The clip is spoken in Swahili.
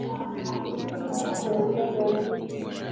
na mbili vikosi vya Waislamu Waarabu kutoka